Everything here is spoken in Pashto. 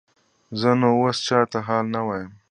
زه نو اوس چاته حال نه وایم.